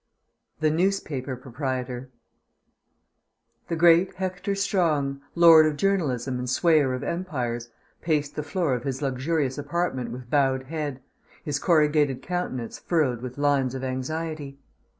THE NEWSPAPER PROPRIETOR The great Hector Strong, lord of journalism and swayer of empires, paced the floor of his luxurious apartment with bowed head, his corrugated countenance furrowed with lines of anxiety.